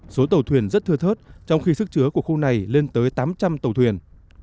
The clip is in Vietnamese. số tàu thuyền rất thưa thớt trong khi sức chứa của khu này lên tới tám trăm linh tàu thuyền